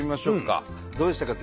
どうでしたか？